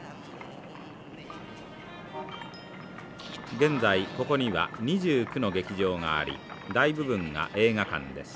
現在ここには２９の劇場があり大部分が映画館です。